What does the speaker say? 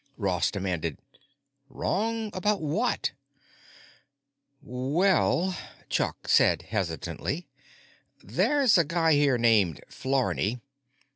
Ross demanded, "Wrong about what?" "Well," Chuck said hesitantly, "there's a guy here named Flarney.